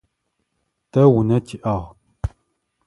Тэ унэ тиӏагъ.